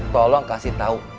tolong kasih tau